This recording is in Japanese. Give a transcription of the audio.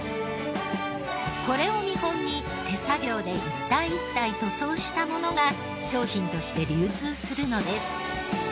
これを見本に手作業で一体一体塗装したものが商品として流通するのです。